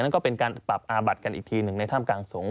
อันนั้นก็เป็นการปรับอาบัดกันอีกทีหนึ่งในท่ามกลางสงฆ์